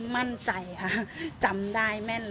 มั่นใจค่ะจำได้แม่น